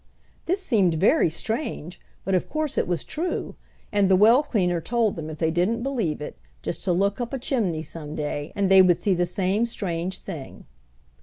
This seemed very strange, but of course it was true; and the well cleaner told them if they didn't believe it, just to look up a chimney some day, and they would see the same strange thing.